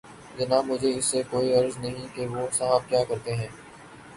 جناب مجھے اس سے کوئی غرض نہیں کہ وہ صاحب کیا کرتے ہیں۔